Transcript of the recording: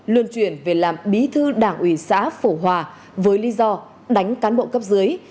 lươn truyền về làm bí thư đảng ủy xã phổ hòa với lý do đánh cán bộ cấp dưới